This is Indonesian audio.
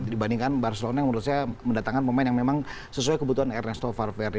dibandingkan barcelona yang menurut saya mendatangkan pemain yang memang sesuai kebutuhan ernesto varver